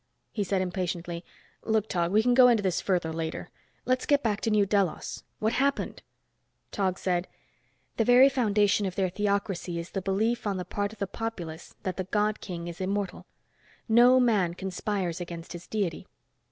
He said, impatiently, "Look, Tog, we can go into this further, later. Let's get back to New Delos. What happened?" Tog said, "The very foundation of their theocracy is the belief on the part of the populace that the God King is immortal. No man conspires against his Deity.